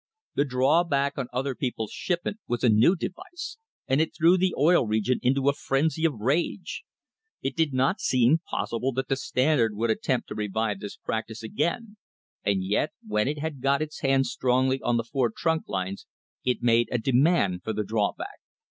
The draw back on other people's shipment was a new device, and it threw the Oil Region into a frenzy of rage. It did not seem possible that the Standard would attempt to revive this prac tice again, and yet when it had got its hand strongly on the four trunk lines it made a demand for the drawback.